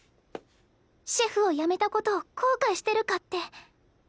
シェフをやめたことを後悔してるかって。